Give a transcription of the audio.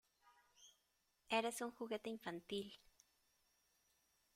¡ Eres un juguete infantil!